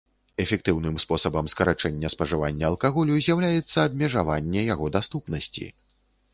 Эфектыўным спосабам скарачэння спажывання алкаголю з'яўляецца абмежаванне яго даступнасці.